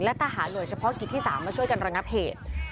และทหารหน่วยเฉพาะกิจที่๓มาช่วยกันระงับเหตุ